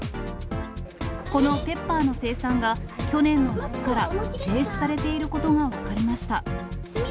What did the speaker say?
このＰｅｐｐｅｒの生産が去年の夏から、停止されていることが分かりました。